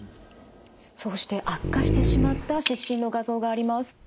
そうして悪化してしまった湿疹の画像があります。